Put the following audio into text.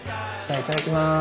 いただきます。